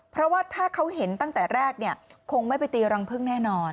เพราะว่าถ้าเขาเห็นตั้งแต่แรกเนี่ยคงไม่ไปตีรังพึ่งแน่นอน